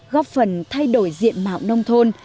góp phần thay đổi diện mạo nông thôn